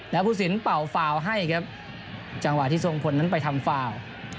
แล้วผู้สินเป่าฟาวให้ครับจังหวะที่ทรงพลนั้นไปทำฟาว